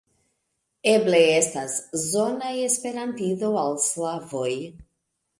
Eble estas zona esperantido al slavoj.